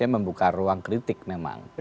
membuka ruang kritik memang